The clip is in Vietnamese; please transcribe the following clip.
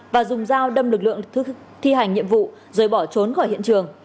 và dùng dao đâm lực lượng thi hành nhiệm vụ rồi bỏ trốn khỏi hiện trường